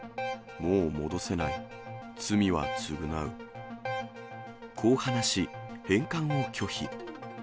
もう戻せない、こう話し、返還を拒否。